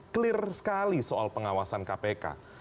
clear sekali soal pengawasan kpk